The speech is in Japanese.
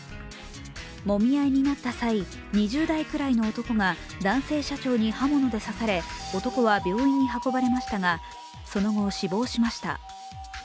もみ合いになった際、２０代くらいの男が男性社長に刃物で刺され、男は病院に運ばれましたがその後、死亡しました。